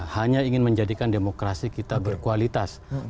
hanya ingin menjadikan demokrasi kita berkualitas